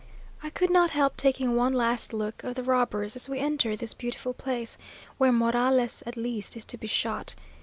I could not help taking one last look of the robbers, as we entered this beautiful place, where Morales at least is to be shot.